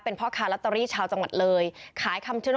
เป็นพ่อคารัตตรีชาวจังหวัดน้ำ